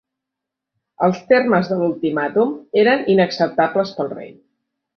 Els termes de l'ultimàtum eren inacceptables pel rei.